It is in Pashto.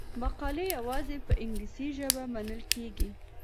مقالې یوازې په انګلیسي ژبه منل کیږي.